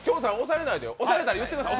押されたら言うてください。